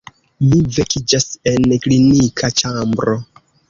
Mi vekiĝas en klinika ĉambro.